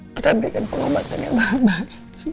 kita berikan pengobatan yang tambah